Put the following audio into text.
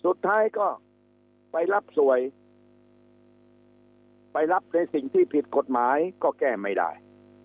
สุดท้ายก็ไปรับสวยไปรับในสิ่งที่ผิดกฎหมายก็แก้ไม่ได้